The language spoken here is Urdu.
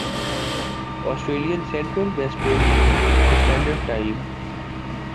Australian Central Western Standard time